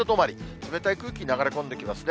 冷たい空気流れ込んできますね。